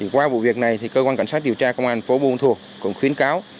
qua vụ việc này cơ quan cảnh sát điều tra công an phố buôn thua cũng khuyến cáo